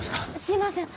すみません。